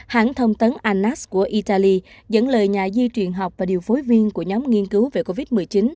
hãng thông tấn anas của italy dẫn lời nhà di truyền học và điều phối viên của nhóm nghiên cứu về covid một mươi chín